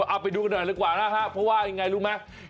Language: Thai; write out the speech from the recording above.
เอาไปดูกันหน่อยดีกว่านะฮะเพราะว่ายังไงรู้ไหม